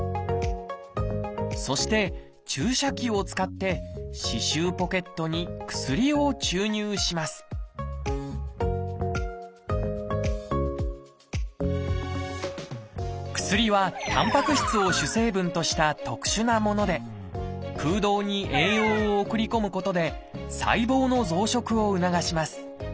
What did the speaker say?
そして注射器を使って歯周ポケットに薬を注入します薬はタンパク質を主成分とした特殊なもので空洞に栄養を送り込むことで細胞の増殖を促します。